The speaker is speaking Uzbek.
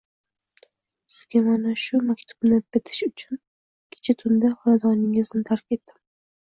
Sizga mana shu maktubni bitish uchun kecha tunda xonadoningizni tark etdim